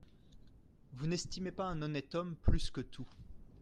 Vous n’estimez pas un honnête homme plus que tout.